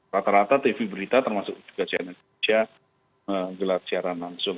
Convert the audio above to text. rata rata tv berita termasuk juga cnn indonesia menggelar siaran langsung